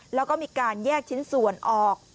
แล้วก็มีการแยกชิ้นส่วนออก